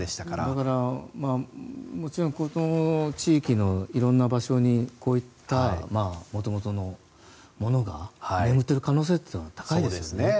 だから、もちろんこの地域のいろんな場所にこういった、もともとのものが眠ってる可能性というのは高いですよね。